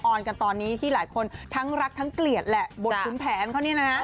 อนกันตอนนี้ที่หลายคนทั้งรักทั้งเกลียดแหละบทขุนแผนเขาเนี่ยนะฮะ